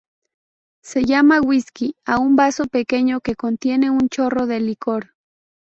Se llama whiskey a un vaso pequeño que contiene un chorro de licor.